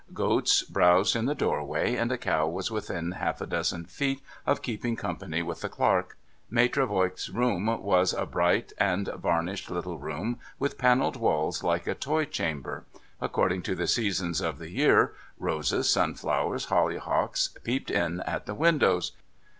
Goats browsed in the doorway, and a cow was within half a dozen feet of keeping company with the clerk. Maitre Voigt's room was a bright and varnished little room, with panelled walls, like a toy chamber. According to the seasons of the year, roses, sunflowers, hollyhocks, peeped in at the windows.